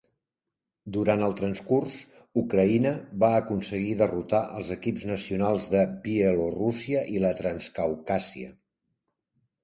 Durant el transcurs, Ucraïna va aconseguir derrotar els equips nacionals de Bielorússia i la Transcaucàsia.